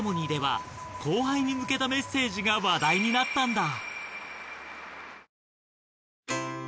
後輩に向けたメッセージが話題になったんだ。